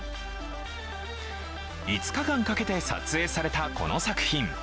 ５日間かけて撮影されたこの作品。